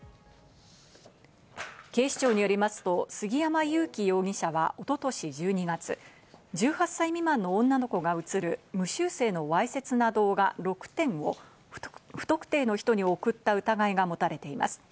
警視庁によりますと杉山勇樹容疑者は一昨年１２月、１８歳未満の女の子が映る無修正のわいせつな動画６点を不特定の人に送った疑いが持たれています。